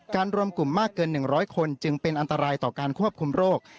รวมกลุ่มมากเกิน๑๐๐คนจึงเป็นอันตรายต่อการควบคุมโรค